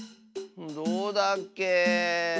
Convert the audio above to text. どうだっけ。